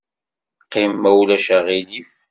Qqim, ma ulac aɣilif.